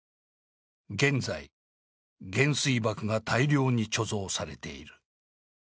現在、原水爆が大量に貯蔵されている。